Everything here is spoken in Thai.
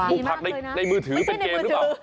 ลูกผักในมือถือเป็นเกมหรือเปล่า